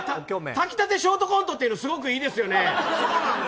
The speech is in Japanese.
炊きたてショートコントってすごくいいですよね。